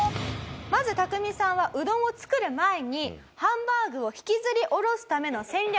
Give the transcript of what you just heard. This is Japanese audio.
まずタクミさんはうどんを作る前にハンバーグを引きずり下ろすための戦略を練ります。